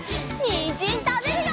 にんじんたべるよ！